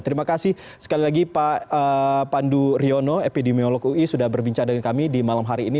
terima kasih sekali lagi pak pandu riono epidemiolog ui sudah berbincang dengan kami di malam hari ini